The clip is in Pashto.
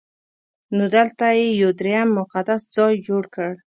نو دلته یې یو درېیم مقدس ځای جوړ کړ.